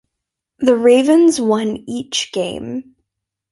The Ravens won each game.